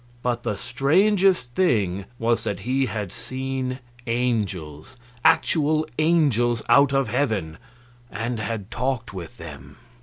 But the strangest thing was that he had seen angels actual angels out of heaven and had talked with them.